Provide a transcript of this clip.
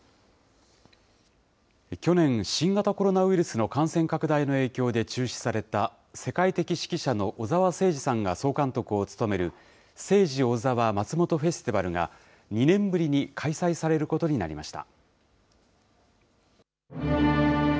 去年、新型コロナウイルスの感染拡大の影響で中止された、世界的指揮者の小澤征爾さんが総監督を務めるセイジ・オザワ松本フェスティバルが、２年ぶりに開催されることになりました。